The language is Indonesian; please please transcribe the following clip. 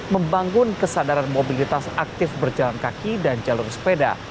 membangun kesadaran mobilitas aktif berjalan kaki dan jalur sepeda